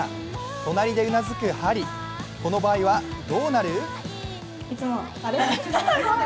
隣でうなずくはり、この場合はどうなる？